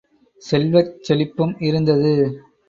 செல்வச் செழிப்பும் இருந்தது.